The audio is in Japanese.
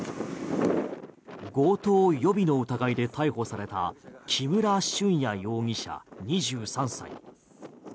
強盗予備の疑いで逮捕された木村俊哉容疑者、２３歳。